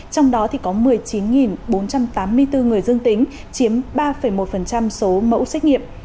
trong đó có một mươi chín bốn trăm tám mươi bốn người dương tính chiếm ba một số mẫu xét nghiệm